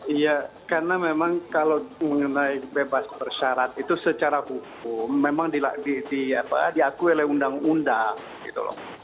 iya karena memang kalau mengenai bebas bersyarat itu secara hukum memang diakui oleh undang undang gitu loh